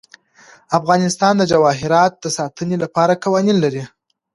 افغانستان د جواهرات د ساتنې لپاره قوانین لري.